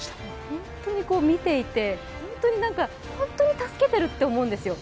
本当に見ていて、本当に助けてるって思うんですよ。